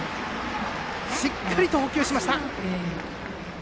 しっかりと捕球しました！